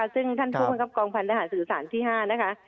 ซึ่งท่านผู้บังคับกองพันธหารสื่อสารที่๕นะคะ